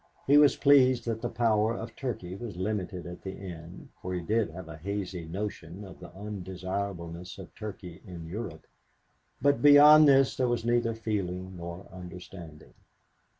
He was pleased that the power of Turkey was limited at the end, for he did have a hazy notion of the undesirableness of Turkey in Europe, but beyond this there was neither feeling nor understanding.